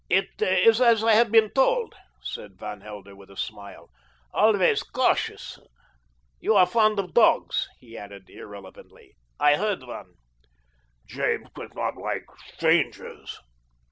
"It is as I have been told," said Van Helder with a smile. "Always cautious. You are fond of dogs," he added irrelevantly, "I heard one." "James does not like strangers."